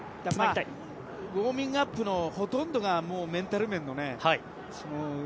ウォーミングアップのほとんどがもうメンタル面の。